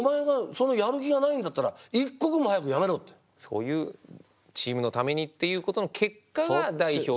そういうチームのためにっていうことの結果が代表であってってこと。